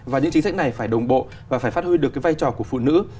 và những chính sách này phải đồng bộ và phải phát huy được cái vai trò của phụ nữ